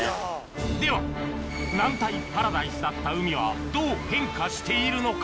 では軟体パラダイスだった海はどう変化しているのか？